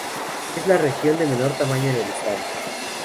Es la región de menor tamaño en el estado.